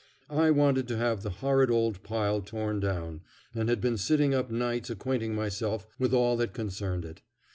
I wanted to have the horrid old pile torn down, and had been sitting up nights acquainting myself with all that concerned it.